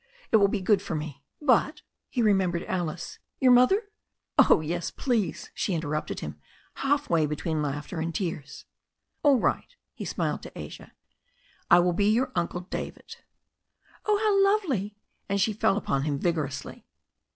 It will be good for me. But" — ^he remembered Alice — ^"your mother ?" "Oh, please, yes," she interrupted him, half way between laughter and tears. "All right," he smiled at Asia, "I will be your Uncle David." "Oh, how lovely !" And she fell upon him vigorously.